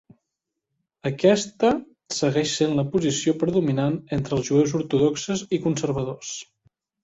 Aquesta segueix sent la posició predominant entre els jueus ortodoxes i conservadors.